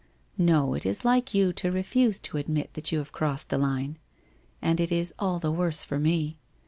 ' No, it is like you to refuse to admit that you have crossed the line. And it is all the worse for me.